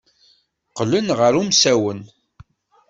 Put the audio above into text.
Qqlen ɣer umsawen.